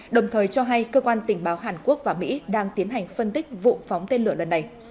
đồng thời cho hay cơ quan tình báo hàn quốc và mỹ đang tiến hành phân tích vụ phóng tên lửa lần này